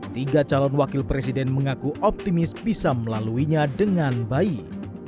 tiga calon wakil presiden mengaku optimis bisa melaluinya dengan baik